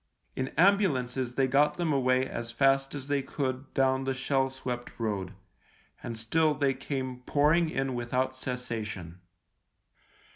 In ambulances they got them away as fast as they could 52 THE LIEUTENANT down the shell swept road — and still they came pouring in without cessation.